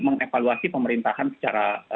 mengevaluasi pemerintahan secara